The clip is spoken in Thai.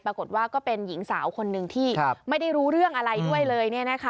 ปรากฏว่าก็เป็นหญิงสาวคนหนึ่งที่ไม่ได้รู้เรื่องอะไรด้วยเลย